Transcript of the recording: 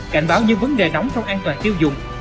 cảnh báo những vấn đề nóng trong an toàn tiêu dùng